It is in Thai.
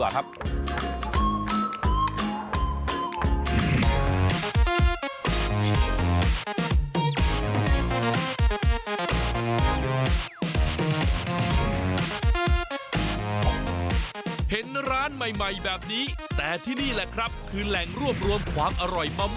เห็นร้านใหม่แบบนี้แต่ที่นี่แหละครับคือแหล่งรวบรวมความอร่อยมา